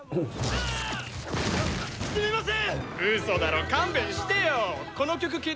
すみません！